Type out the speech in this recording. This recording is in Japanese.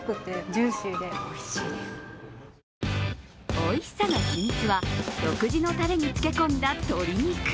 おいしさの秘密は、独自のたれに漬け込んだ鶏肉。